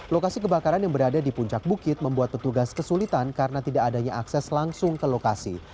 lokasi kebakaran yang berada di puncak bukit membuat petugas kesulitan karena tidak adanya akses langsung ke lokasi